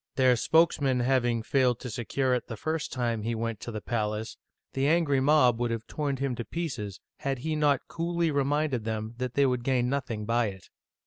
Their spokesman having failed to secure it the first time he went to the palace, the angry mob would have torn him to pieces, had he not coolly reminded them that they would gain nothing by it.